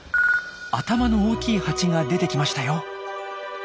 頭の大きいハチが出てきましたよ。